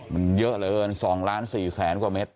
มันเยอะเริ่ม๒ล้าน๔แสนกว่าเม็ด